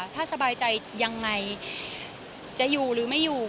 ถ้าสบายใจยังไงจะอยู่หรือไม่อยู่